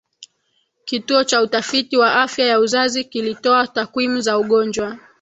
kituo cha utafiti wa afya ya uzazi kilitoa takwimu za ugonjwa